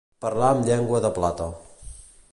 Parlar amb llengua de plata.